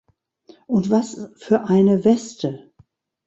Und was für eine Weste?